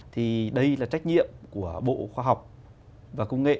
thì đây là trách nhiệm của bộ khoa học và công nghệ